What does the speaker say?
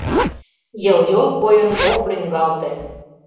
Йыл-йол койын ок лӱҥгалте.